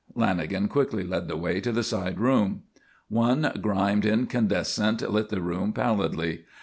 Lanagan quickly led the way to the side room. One grimed incandescent lit the room pallidly.